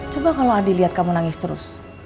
coba kalau adi liat kamu nangis terus